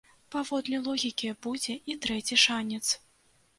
Паводле логікі, будзе і трэці шанец.